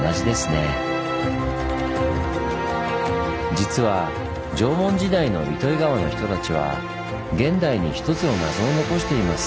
実は縄文時代の糸魚川の人たちは現代に一つの謎を残しています。